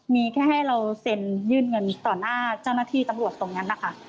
มีแค่ให้เราเซ็นยื่นเงินต่อหน้าเจ้าหน้าที่ตำรวจตรงนั้นนะคะ